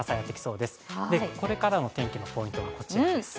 で、これからの天気のポイントはこちらです。